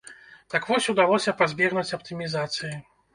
Так вось удалося пазбегнуць аптымізацыі.